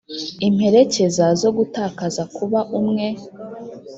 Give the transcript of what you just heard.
imperekeza zo gutakaza kuba umwe